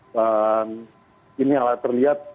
dan ini alat terlihat